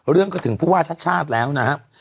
เรื่องก็ถึงผู้ว่าชาติชาติแล้วนะครับ